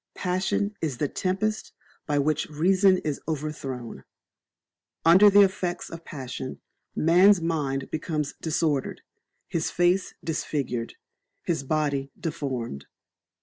Passion is the tempest by which reason is overthrown. Under the effects of passion, man's mind becomes disordered, his face disfigured, his body deformed.